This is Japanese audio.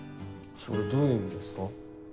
それどういう意味ですか？